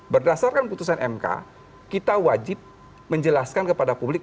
berdasarkan putusan mk kita wajib menjelaskan kepada publik